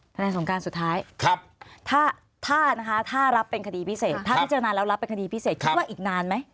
นายสงการสุดท้ายถ้านะคะถ้ารับเป็นคดีพิเศษถ้าพิจารณาแล้วรับเป็นคดีพิเศษคิดว่าอีกนานไหม